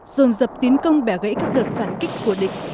dồn dập tiến công bẻ gãy các đợt phản kích của địch